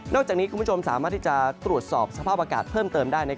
จากนี้คุณผู้ชมสามารถที่จะตรวจสอบสภาพอากาศเพิ่มเติมได้